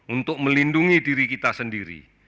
untuk melindungi diri kita sendiri